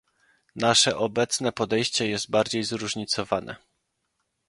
Nasze obecne podejście jest bardziej zróżnicowane